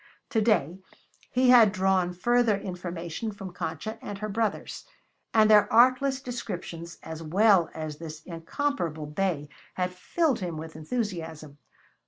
To day he had drawn further information from Concha and her brothers; and their artless descriptions as well as this incomparable bay had filled him with enthusiasm.